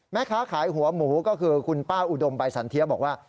แม่ค้าขายหัวหมูก็คือคุณป้าอุดมใบสันเทียบอกว่า